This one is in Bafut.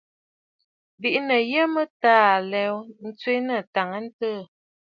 Bìꞌinə̀ yə mə taa aɨ lɛ ntswe nɨ àtàŋəntɨɨ aà.